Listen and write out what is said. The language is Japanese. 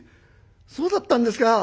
そうだったんですか。